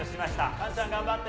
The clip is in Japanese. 菅ちゃん、頑張って。